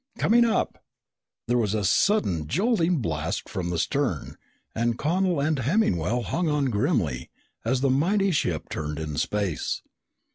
"Coming up!" There was a sudden, jolting blast from the stern and Connel and Hemmingwell hung on grimly as the mighty ship turned in space.